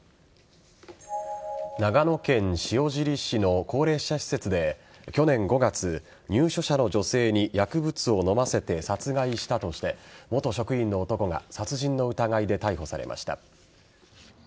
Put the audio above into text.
長野県塩尻市の高齢者施設で去年５月、入所者の女性に薬物を飲ませて殺害したとして元職員の男が殺人の疑いで逮捕されました。